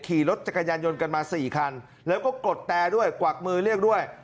ขี่รถจักรยานยนต์กันมา๔คันแล้วก็กดแตรด้วยกวักมือเรียกด้วย